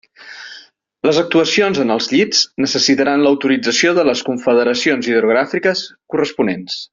Les actuacions en els llits necessitaran l'autorització de les confederacions hidrogràfiques corresponents.